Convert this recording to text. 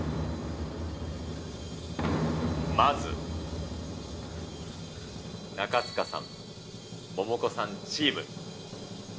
まず、中務さん、モモコさんチーム。